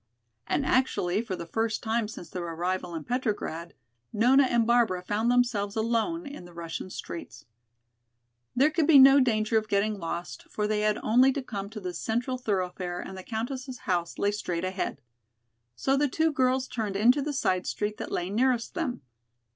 And actually for the first time since their arrival in Petrograd Nona and Barbara found themselves alone in the Russian streets. There could be no danger of getting lost, for they had only to come to this central thoroughfare and the Countess' house lay straight ahead. So the two girls turned into the side street that lay nearest them.